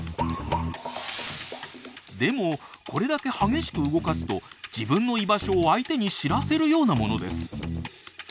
でもこれだけ激しく動かすと自分の居場所を相手に知らせるようなものです。